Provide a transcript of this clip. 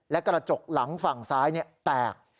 และกระจกหลังฝั่งซ้ายแตก